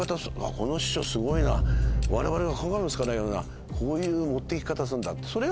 この師匠すごいな我々が考えも付かないようなこういう持って行き方するんだって。